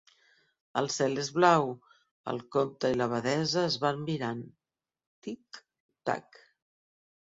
El cel és blau, el comte i l’abadessa es van mirant. Tic-tac...